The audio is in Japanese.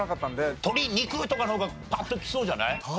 鶏肉とかの方がパッときそうじゃない？